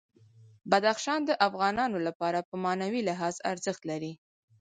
بدخشان د افغانانو لپاره په معنوي لحاظ ارزښت لري.